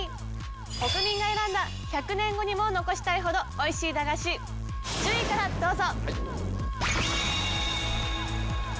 国民が選んだ１００年後にも残したいほどおいしい駄菓子１０位からどうぞ！